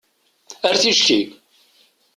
Ar ticki!